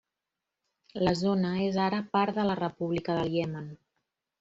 La zona és ara part de la República del Iemen.